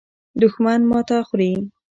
دښمن ماته خوري.